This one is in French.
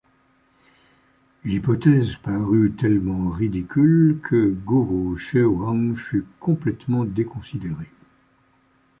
L'hypothèse parut tellement ridicule que Guru Chöwang fut complètement déconsidéré.